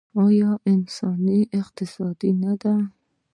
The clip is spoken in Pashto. آیا یو انساني اقتصاد نه دی؟